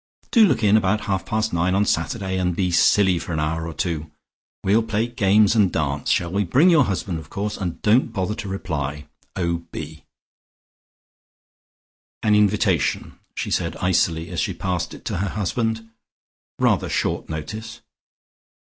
"Do look in about half past nine on Saturday and be silly for an hour or two. We'll play games and dance, shall we? Bring your husband of course, and don't bother to reply. "O.B." "An invitation," she said icily, as she passed it to her husband. "Rather short notice."